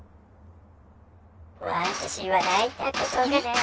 「私は泣いたことがない」